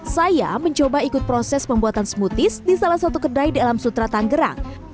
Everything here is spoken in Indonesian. saya mencoba ikut proses pembuatan smoothies di salah satu kedai di alam sutra tanggerang